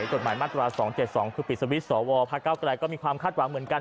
กฎหมายมาตรา๒๗๒คือปิดสวิตช์สวพระเก้าไกลก็มีความคาดหวังเหมือนกัน